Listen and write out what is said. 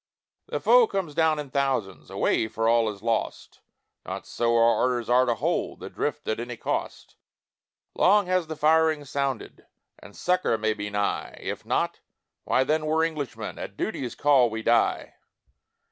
"The foe comes down in thousands, Away for all is lost!" "Not so our orders are to hold The Drift at any cost; Long has the firing sounded And succour may be nigh, If not why then we're Englishmen, At duty's call we'll die!"